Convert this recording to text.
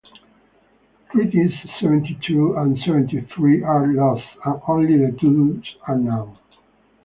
Treatises seventy-two and seventy-three are lost and only the titles are known.